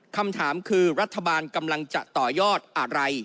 คำถามคือรัฐบาลกำลังจะต่อยอดอะไร